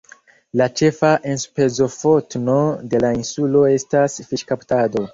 La ĉefa enspezofotno de la insulo estas fiŝkaptado.